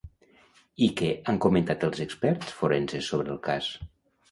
I què han comentat els experts forenses sobre el cas?